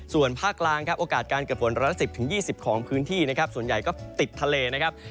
ส่วนภาคกลางครับโอกาสการเกิดฝนร้อยละ๑๐๒๐ของพื้นที่นะครับส่วนใหญ่ก็ติดทะเลนะครับ